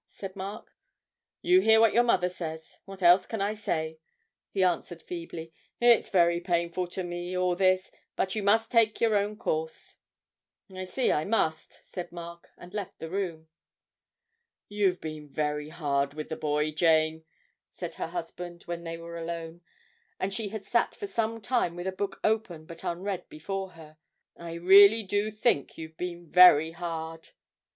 said Mark. 'You hear what your mother says. What else can I say?' he answered feebly; 'it's very painful to me all this but you must take your own course.' 'I see I must,' said Mark, and left the room. 'You've been very hard with the boy, Jane,' said her husband, when they were alone, and she had sat for some time with a book open but unread before her; 'I really do think you've been very hard.'